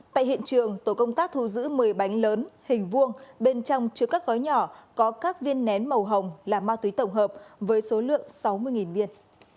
tại hiện trường tổ công tác thu giữ một mươi bánh lớn hình vuông bên trong chứa các gói nhỏ có các viên nén màu hồng là ma túy tổng hợp với số lượng sáu mươi viên